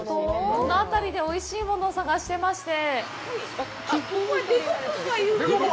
この辺りでおいしいものを探してまして。